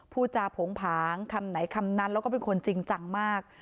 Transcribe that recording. พูดจาโผงผางคำไหนคำนั้นแล้วก็เป็นคนจริงจังมาก